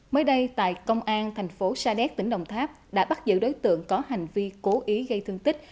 mới đây tại công an thành phố sa đéc tỉnh đồng tháp đã bắt giữ đối tượng có hành vi cố ý gây thương tích